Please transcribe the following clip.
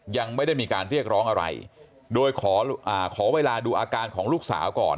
ยังไม่ได้มีการเรียกร้องอะไรโดยขอเวลาดูอาการของลูกสาวก่อน